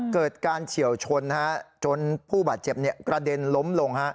เกิดการเฉียวชนจนผู้บาดเจ็บกระเด็นล้มลง